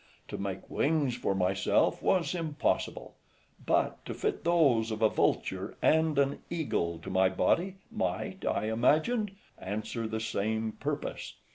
To make wings for myself was impossible, but to fit those of a vulture and an eagle to my body, might, I imagined, answer the same purpose.